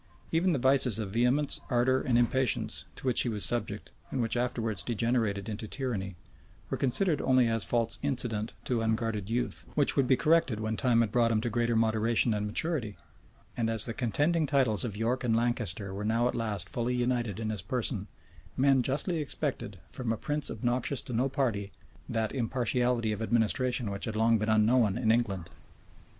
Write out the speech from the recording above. [] Even the vices of vehemence, ardor, and impatience, to which he was subject, and which afterwards degenerated into tyranny, were considered only as faults incident to unguarded youth, which would be corrected when time had brought him to greater moderation and maturity. And as the contending titles of York and Lancaster were now at last fully united in his person, men justly expected, from a prince obnoxious to no party, that impartiality of administration which had long been unknown in England. * T. Mori. Lucubr. p. 182. Father Paul, lib. i.